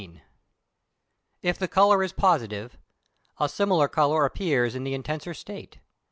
If the colour is positive, a similar colour appears in the intenser state.